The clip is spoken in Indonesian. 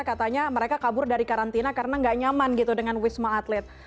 katanya mereka kabur dari karantina karena nggak nyaman gitu dengan wisma atlet